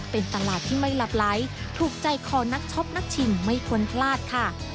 เป็นตลาดที่ไม่หลับไหลถูกใจคอนักช็อปนักชิมไม่ควรพลาดค่ะ